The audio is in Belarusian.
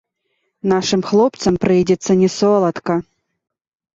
Нашым хлопцам прыйдзецца не соладка.